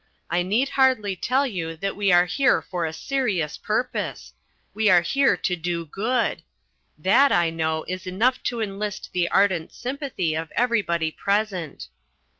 I need hardly tell you that we are here for a serious purpose. We are here to do good. That I know is enough to enlist the ardent sympathy of everybody present."